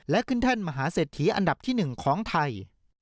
และขึ้นแท่นมหาเศรษฐีอันดับที่๑ของไทย